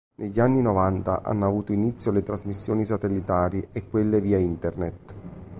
Negli anni novanta hanno avuto inizio le trasmissioni satellitari e quelle via Internet.